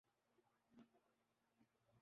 بلکہ کپتانی کے ساتھ بھی یہی برتاؤ کیا۔